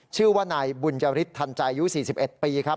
ชื่อว่าหน่ายบุญยฤทธัณฐ์ใจอยู่๔๑ปีครับ